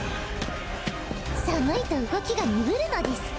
寒いと動きが鈍るのです。